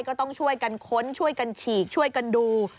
ก็ต้องช่วยกันค้นช่วยกันฉีกช่วยกันดู